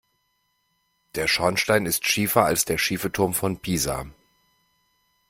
Der Schornstein ist schiefer als der schiefe Turm von Pisa.